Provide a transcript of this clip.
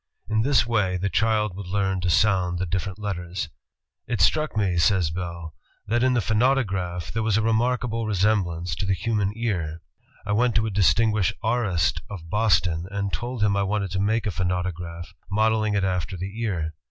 In this way the child would learn to Sound the diflFerent letters. ALEXANDER GRAHAM BEt.L "It Struck me," says Bell, "that in the phonautograph, there was a remarkable resemblance to the human ear. "I went to a distinguished aurist of Boston, and told him I wanted to make a phonautograph, modeling it after the ear.